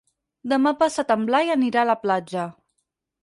Demà passat en Blai anirà a la platja.